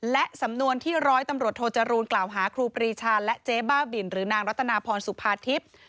และสำนวนที่ร้อยตำรวจโทจรูลกล่าวหาครูปรีชาและเจ๊บ้าบินหรือนางรัตนาพรสุภาทิพย์